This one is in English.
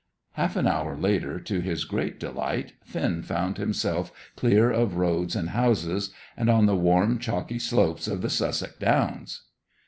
Half an hour later, to his great delight, Finn found himself clear of roads and houses, and on the warm, chalky slopes of the Sussex Downs.